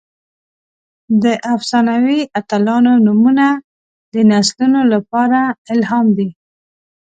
د افسانوي اتلانو نومونه د نسلونو لپاره الهام دي.